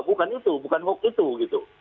bukan itu bukan hoax itu gitu